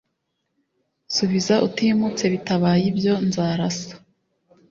Subiza utimutse bitabaye ibyo nzarasa